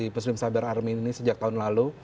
muslim cyber army ini sejak tahun lalu